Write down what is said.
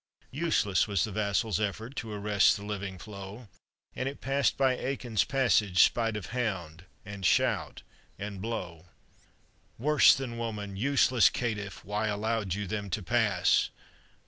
Useless was the vassal's effort To arrest the living flow, And it passed by Eachann's passage, Spite of hound, and shout, and blow. " Worse than woman ! Useless caitiff! Why allowed you them to pass?